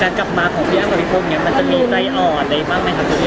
มันจะมีใจอ่อนใจมันน่ะครับ